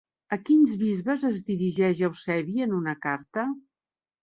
A quins bisbes es dirigeix Eusebi en una carta?